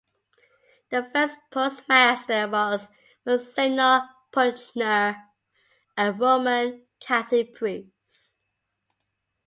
The first postmaster was Monsignor Puchner, a Roman Catholic priest.